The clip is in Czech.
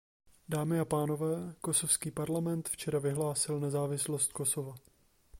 Dámy a pánové, Kosovský parlament včera vyhlásil nezávislost Kosova.